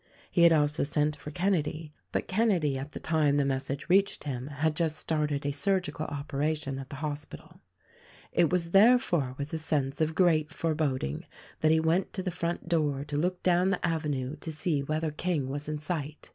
He had also sent for Kenedy, but Kenedy at the time the message reached him had just started a surgical operation at the hospital. It was therefore with a sense of great foreboding that he went to the front door to look down the avenue to see whether King was in sight.